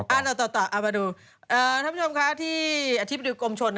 ท่านผู้ชมคะที่อาทิตย์ประดูกกลมชน